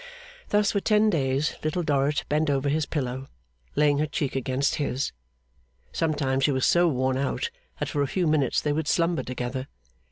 Thus for ten days Little Dorrit bent over his pillow, laying her cheek against his. Sometimes she was so worn out that for a few minutes they would slumber together.